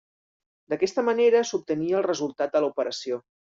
D'aquesta manera s'obtenia el resultat de l'operació.